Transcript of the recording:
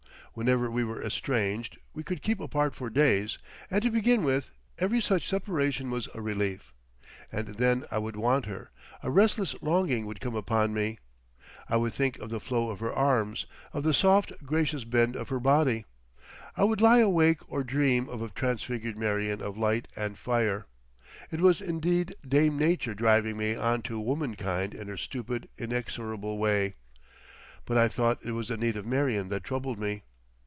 Whenever we were estranged we could keep apart for days; and to begin with, every such separation was a relief. And then I would want her; a restless longing would come upon me. I would think of the flow of her arms, of the soft, gracious bend of her body. I would lie awake or dream of a transfigured Marion of light and fire. It was indeed Dame Nature driving me on to womankind in her stupid, inexorable way; but I thought it was the need of Marion that troubled me.